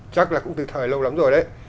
chắc là cũng từ thời lâu lắm rồi đấy